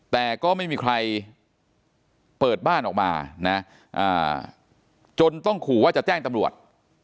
แต่ก็ไม่มีใครเปิดบ้านออกมานะจนต้องขู่ว่าจะแจ้งตำรวจ